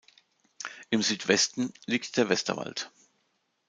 Im Südwesten liegt der Westerwald.